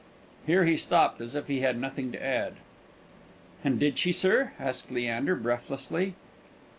Here he stopped, as if he had nothing to add. "And did she, sir?" asked Leander, breathlessly.